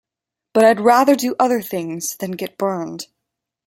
But I'd rather do other things than get burned.